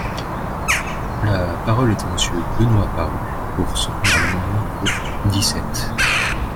La parole est à Monsieur Benoist Apparu, pour soutenir l’amendement numéro dix-sept.